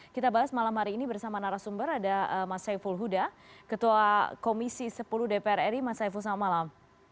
kita bahas malam hari ini bersama narasumber ada mas saiful huda ketua komisi sepuluh dpr ri mas saiful selamat malam